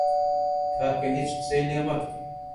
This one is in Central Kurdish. کاکە هیچ قسەی لێ مەکە!